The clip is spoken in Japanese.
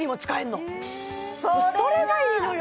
これそれがいいのよ！